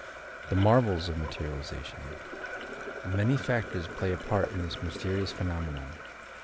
THE MARVELS OF MATERIALIZATION Many factors play a part in this mysterious phe nomenon.